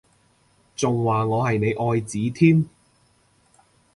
仲話我係你愛子添？